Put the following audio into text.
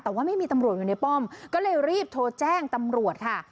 แต่ว่าไม่มีตำรวจอยู่ในป้อมก็เลยรีบโทรแจ้งตำรวจค่ะ